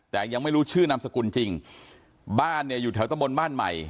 แต่ยังไม่รู้ชื่อนามสกุลจริงบ้านเนี่ยอยู่แถวตะบนบ้านใหม่